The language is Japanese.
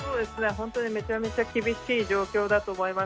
本当にめちゃめちゃ厳しい状況だと思います。